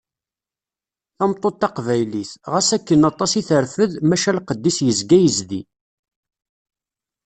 Tameṭṭut taqbaylit, xas akken aṭas i terfed, maca lqed-is yezga yezdi